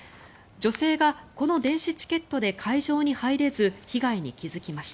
女性がこの電子チケットで会場に入れず被害に気付きました。